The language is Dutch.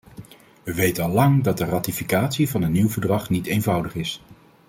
We weten al lang dat de ratificatie van een nieuw verdrag niet eenvoudig is.